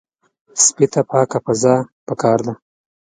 سپي ته پاکه فضا پکار ده.